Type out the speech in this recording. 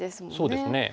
そうですね。